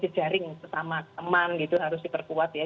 jadi jejaring sama teman gitu harus diperkuat ya